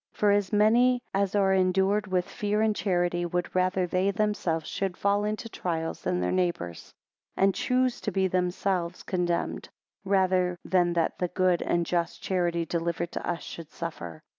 3 For as many as are endued with fear and charity, would rather they themselves should fall into trials than their neighbours: And choose to be themselves condemned, rather than that the good and just charity delivered to us, should suffer.